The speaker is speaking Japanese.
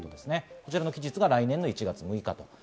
こちらの期日が来年の１月６日。